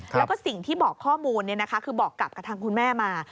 แล้วก็สิ่งที่บอกข้อมูลคือบอกกลับกับทางคุณแม่มา